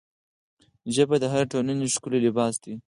ژبه د هرې ټولنې ښکلی لباس دی